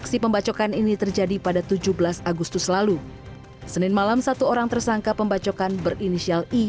senin malam satu orang tersangka pembacokan berinisial i